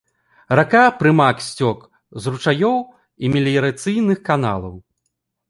Рака прымак сцёк з ручаёў і меліярацыйных каналаў.